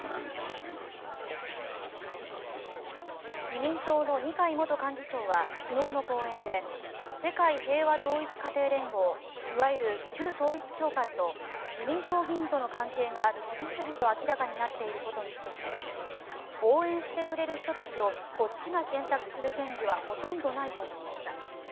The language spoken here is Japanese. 自民党の二階元幹事長は昨日の講演で世界平和統一家庭連合いわゆる旧統一教会と自民党議員との関係が次々と明らかになっていることについて応援してくれる人たちをこっちが選択する権利はほとんどないとしました。